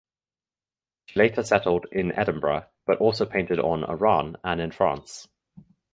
She later settled in Edinburgh but also painted on Arran and in France.